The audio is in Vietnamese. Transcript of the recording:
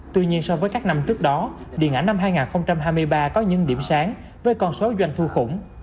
tuy nhiên so với các năm trước đó điện ảnh năm hai nghìn hai mươi ba có những điểm sáng với con số doanh thu khủng